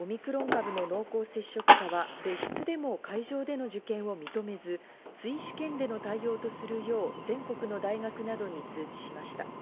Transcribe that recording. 文部科学省はオミクロン株の濃厚接触者は別室でも会場での受験を認めず追試験させるよう全国の大学などに通知しました。